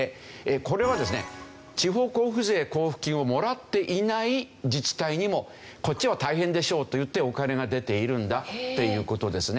これはですね地方交付税交付金をもらっていない自治体にもこっちも大変でしょうといってお金が出ているんだっていう事ですね。